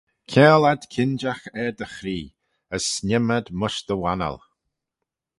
Kiangle ad kinjagh er dty chree, as sniem ad mysh dty wannal.